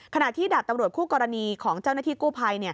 ขณะที่ดาบตำรวจคู่กรณีของเจ้าหน้าที่กู้ภัย